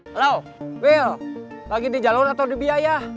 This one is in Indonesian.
halo will lagi di jalur atau di biaya